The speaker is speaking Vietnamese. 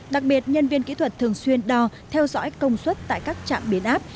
đặc biệt nhân viên kỹ thuật thường xuyên đo theo dõi công suất tại các trạm biến áp